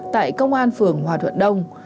tại công an phường hòa thuận đông